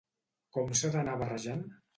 Com s'ha d'anar barrejant?